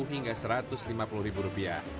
lima puluh hingga satu ratus lima puluh rupiah